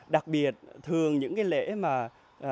đặc biệt thường những lễ mà chúng ta có thể gắn kết